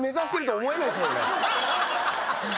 はい。